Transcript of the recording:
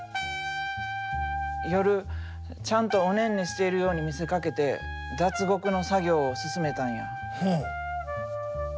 夜ちゃんとおねんねしているように見せかけて脱獄の作業を進めたんや。